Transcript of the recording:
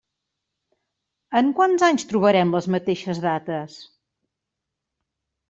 En quants anys trobarem les mateixes dates?